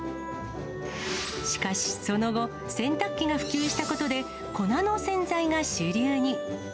しかし、その後、洗濯機が普及したことで、粉の洗剤が主流に。